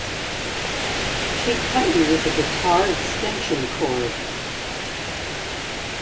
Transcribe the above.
She cut you with a guitar extension cord.